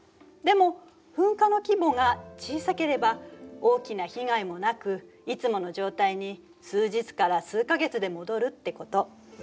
でも噴火の規模が小さければ大きな被害もなくいつもの状態に数日から数か月で戻るってこと。